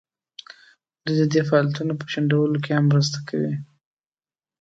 دوی د دې فعالیتونو په شنډولو کې هم مرسته کوي.